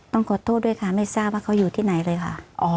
ต้องขอโทษด้วยค่ะไม่ทราบว่าเขาอยู่ที่ไหนเลยค่ะ